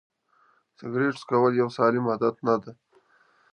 سیګرېټ څکول یو سالم عادت نه دی.